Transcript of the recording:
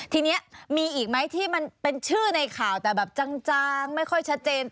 ทีนี้มีอีกไหมที่มันเป็นชื่อในข่าวแต่แบบจางไม่ค่อยชัดเจน